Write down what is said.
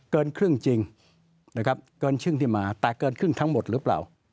เกินครึ่งจริงนะครับเกินครึ่งที่มาแต่เกินครึ่งทั้งหมดหรือเปล่า